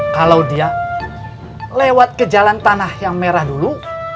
kalau dia lewat ke jalan tanah yang merah dulu